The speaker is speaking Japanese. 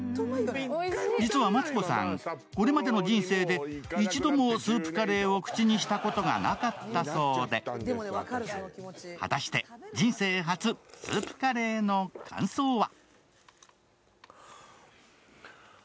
実はマツコさん、これまでの人生で一度もスープカレーを口にしたことがなかったそうで果たして人生初スープカレーの感想は？